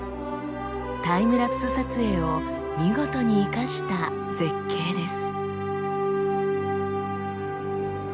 タイムラプス撮影を見事に生かした絶景です。